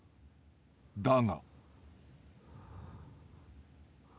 ［だが］